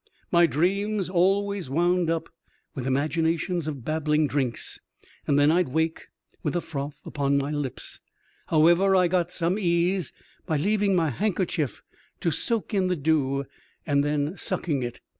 My dreams always wound up with imaginations of bab bling drinks, and then I*d wake with the froth upon my lips. However, I got some ease by leaving my handker chief to soak in the dew and then sucking it.